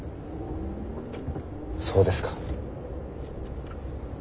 そうですか。